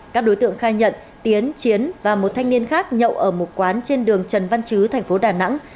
các đối tượng khai nhận tiến chiến và một thanh niên khác nhậu ở một quán trên đường trần văn chứ thành phố đà nẵng